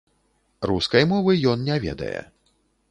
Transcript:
Рускай мовы ён не ведае.